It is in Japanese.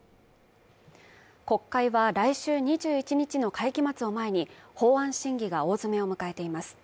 国会は来週２１日の会期末を前に、法案審議が大詰めを迎えています。